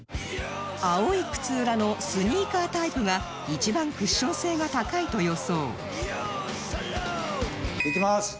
青い靴裏のスニーカータイプが一番クッション性が高いと予想いきます。